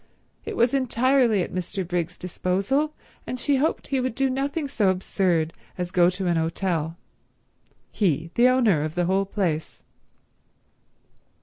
It was entirely at Mr. Briggs's disposal, and she hoped he would do nothing so absurd as go to an hotel—he, the owner of the whole place.